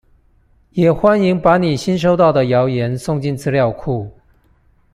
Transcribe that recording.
也歡迎把你新收到的謠言送進資料庫